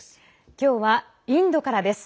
今日はインドからです。